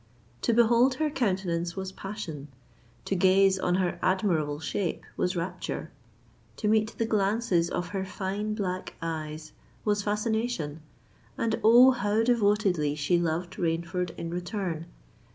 To behold her countenance, was passion;—to gaze on her admirable shape, was rapture;—to meet the glances of her fine black eyes was fascination! And, oh! how devotedly she loved Rainford in return!